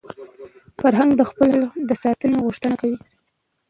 فرهنګ د خپل اصل د ساتني غوښتنه کوي.